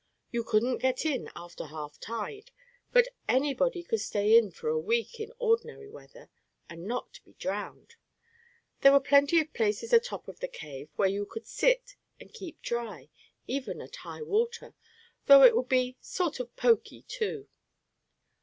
You couldn't get in after half tide, but anybody could stay in for a week in ordinary weather, and not be drowned. There were plenty of places a top of the cave, where you could sit and keep dry even at high water, though it would be "sort of poky," too.